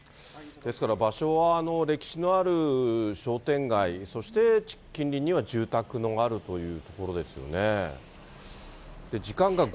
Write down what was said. ですから、場所は歴史のある商店街、そして近隣には住宅もあるという所ですよね。